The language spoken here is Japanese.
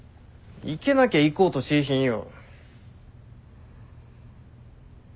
行けなきゃ行こうとしーひんよ。